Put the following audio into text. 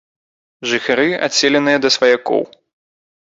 Жыхары адселеныя да сваякоў.